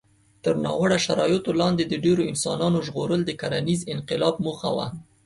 تر ناوړه شرایطو لاندې د ډېرو انسان ژغورل د کرنيز انقلاب موخه وه.